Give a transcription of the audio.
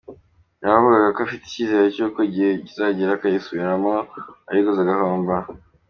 Yanavugaga ko afite icyizere cy’uko igihe kizagera akayisubirana uwayiguze agahomba.